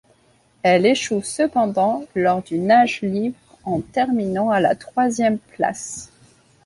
Elle échoue cependant lors du nage libre en terminant à la troisième place.